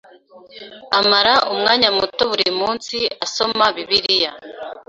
Amara umwanya muto buri munsi asoma Bibiliya.